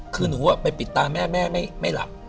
คือหนูไปปิดตาแม่แม่ไม่หลับ